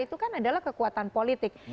itu kan adalah kekuatan politik